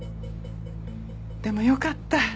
でもよかった。